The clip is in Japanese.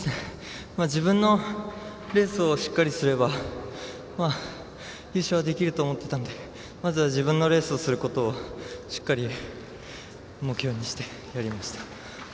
自分のレースをしっかりすれば優勝できると思っていたのでまずは自分のレースすることをしっかり目標にしてやりました。